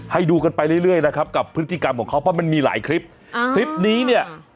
ให้ดูกันไปเรื่อยนะครับกับพฤติกรรมของเขาเพราะมันมีหลายคลิปนี้เนี่ย